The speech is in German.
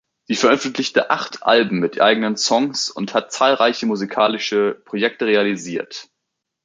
Sie veröffentlichte acht Alben mit eigenen Songs und hat zahlreiche musikalische Projekte realisiert.